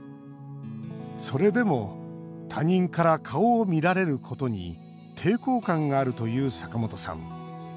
それでも、他人から顔を見られることに抵抗感があるというサカモトさん。